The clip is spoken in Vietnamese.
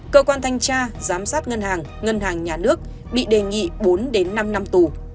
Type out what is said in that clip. cơ quan thanh tra giám sát ngân hàng ngân hàng nhà nước bị đề nghị bốn đến năm năm tù